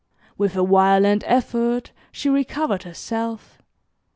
With a violent effort she recovered herself.